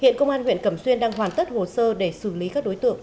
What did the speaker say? hiện công an huyện cẩm xuyên đang hoàn tất hồ sơ để xử lý các đối tượng